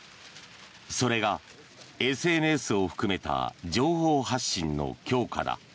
それが、ＳＮＳを含めた情報発信の強化だ。